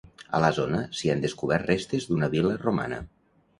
A la zona s'hi han descobert restes d'una vil·la romana.